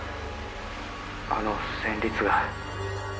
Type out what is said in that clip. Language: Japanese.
「あの旋律が」